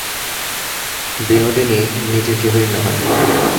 বিনোদিনী নিজে কেহই নহে!